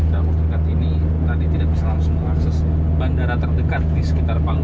dalam waktu dekat ini tadi tidak bisa langsung mengakses bandara terdekat di sekitar palu